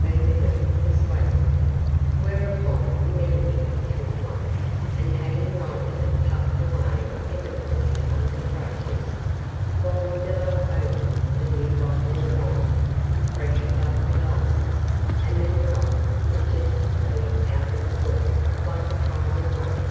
Vandeloup, persuasively; whereupon Meddlechip took one, and having lighted it puffed away evidently under protest, while the billow opened the new bottle of wine, freshened up the glasses, and then rolled majestically out of the door, like a tidal wave.